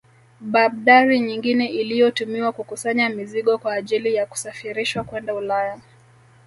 Babdari nyingine iliyotumiwa kukusanya mizigo kwa ajili ya kusafirishwa kwenda Ulaya